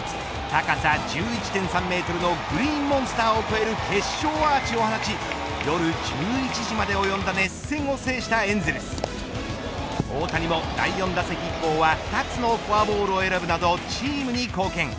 高さ１１．３メートルのグリーンモンスターを越える決勝アーチを放ち夜１１時までおよんだ熱戦を制したエンゼルス大谷も第４打席以降は２つのフォアボールを選ぶなどチームに貢献。